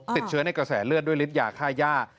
ติดเชื้อในกระแสเลือดด้วยฤทธิ์ยาค่าย่า